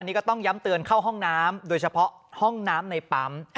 นี่ก็ต้องย้ำเตือนเข้าห้องน้ำโดยเฉพาะห้องน้ำในปั๊ม